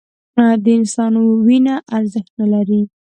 د انسان وینه ارزښت نه لري